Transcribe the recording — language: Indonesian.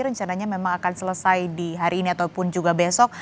rencananya memang akan selesai di hari ini ataupun juga besok